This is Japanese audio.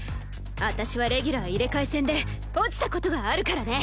私はレギュラー入れ替え戦で落ちたことがあるからね。